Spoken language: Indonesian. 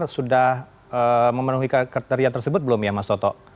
sudah memenuhi kriteria tersebut belum ya mas toto